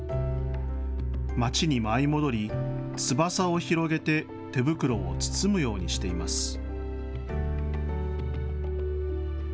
まちに舞い戻り、翼を広げて手袋を包むようにしています。